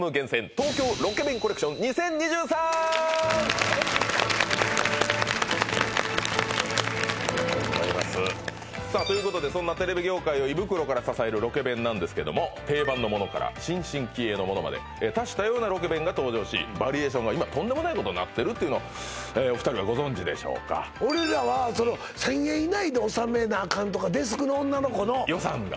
今週はありがとうございますさあということでそんなテレビ業界を胃袋から支えるロケ弁なんですけども定番のものから新進気鋭のものまで多種多様なロケ弁が登場しバリエーションが今とんでもないことになってるっていうのをお二人はご存じでしょうか俺らはその１０００円以内で収めなあかんとかデスクの女の子の予算が？